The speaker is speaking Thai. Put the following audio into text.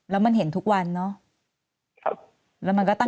แล้วมันเห็นทุกวันเนอะ